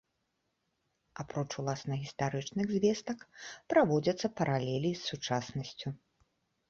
Апроч уласна гістарычных звестак, праводзяцца паралелі і з сучаснасцю.